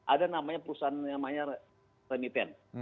ada namanya perusahaan yang namanya remiten